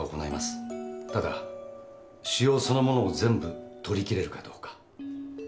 ただ腫瘍そのものを全部取りきれるかどうか。